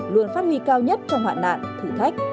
luôn phát huy cao nhất trong hoạn nạn thử thách